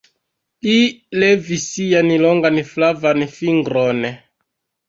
Li levis sian longan flavan fingron.